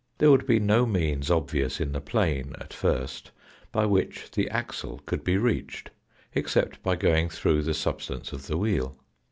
There would be no means obvious in the plane at first by which the axle could be reached, except by going through the substance of the wheel.